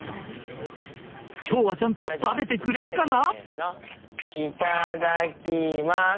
今日はちゃんと食べてくれるかな？